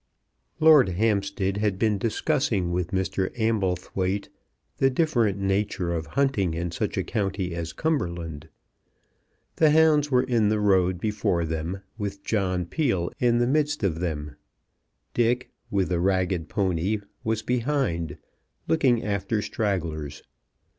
Lord Hampstead had been discussing with Mr. Amblethwaite the difficult nature of hunting in such a county as Cumberland. The hounds were in the road before them with John Peel in the midst of them. Dick with the ragged pony was behind, looking after stragglers.